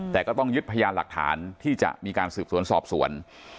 แต่ก็ต้องยึดพยานหลักฐานที่จะมีการสืบสวนสอบสวน